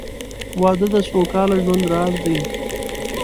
• واده د سوکاله ژوند راز دی.